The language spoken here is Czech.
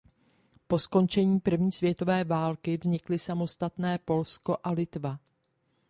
Po skončení první světové války vznikly samostatné Polsko a Litva.